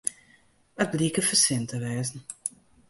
It bliek in fersin te wêzen.